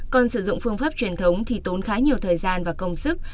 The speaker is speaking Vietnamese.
còn sử dụng phương pháp truyền thống thì tốn khá nhiều thời gian và công sức